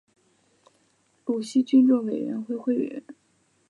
鲁西军政委员会委员。